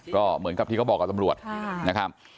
ก็เหมือนกับที่เขาบอกกับตำรวจนะครับ